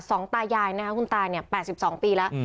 สองตายายนะครับคุณตายเนี่ย๘๒ปีแล้ว